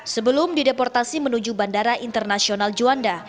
sebelum dideportasi menuju bandara internasional juanda